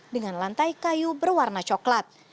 dengan lantai kayu berwarna coklat